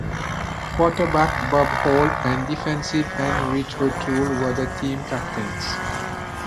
Quarterback Bob Hall and defensive end Rich O’Toole were the team captains.